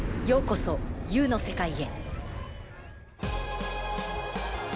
「ようこそＵの世界へ」。